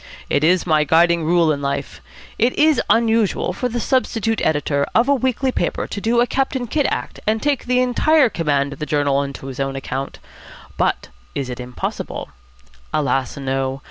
It is my guiding rule in life. It is unusual for the substitute editor of a weekly paper to do a Captain Kidd act and take entire command of the journal on his own account; but is it impossible? Alas no.